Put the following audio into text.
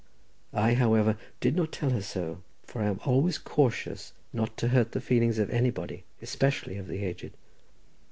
I, however, did not tell her so, for I am always cautious not to hurt the feelings of anybody, especially of the aged.